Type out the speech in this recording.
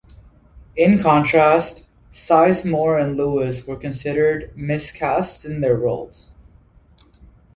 In contrast, Sizemore and Lewis were considered miscast in their roles.